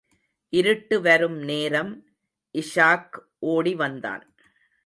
இருட்டு வரும் நேரம், இஷாக் ஒடி வந்தான்.